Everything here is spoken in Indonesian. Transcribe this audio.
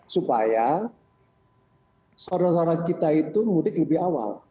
supaya seorang seorang kita itu mudik lebih awal